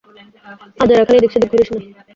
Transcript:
আজাইরা খালি এদিক-সেদিক ঘুরিস না!